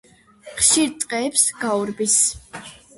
ხშირ ტყეებს გაურბის.